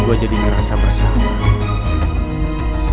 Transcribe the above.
gua jadi merasa bersalah